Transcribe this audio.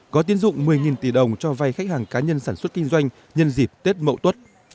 có tiến dụng một mươi tỷ đồng cho vay khách hàng cá nhân sản xuất kinh doanh nhân dịp tết mậu tuất